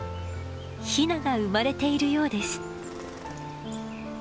ヒナが生まれているようです。